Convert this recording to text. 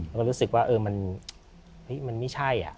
มันรู้สึกว่ามันไม่ใช่